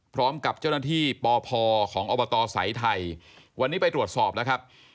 พร้อมกับเจ้าหน้าที่ปพของอบตสายไทยวันนี้ไปตรวจสอบแล้วครับ